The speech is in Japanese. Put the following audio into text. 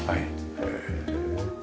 へえ。